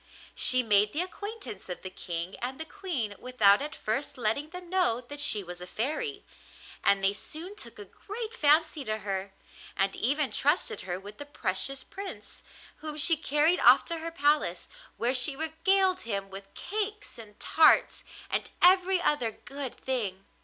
She made the acquaintance of the King and the Queen without at first letting them know that she was a fairy, and they soon took a great fancy to her, and even trusted her with the precious Prince, whom she carried off to her palace, where she regaled him with cakes and tarts and every other good thing.